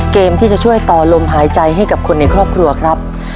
เกมที่จะช่วยต่อลมหายใจให้กับคนในครอบครัวครับ